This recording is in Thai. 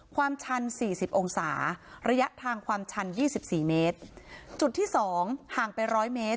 ความชัน๔๐องศาระยะทางความชัน๒๔เมตรจุดที่๒ห่างไป๑๐๐เมตร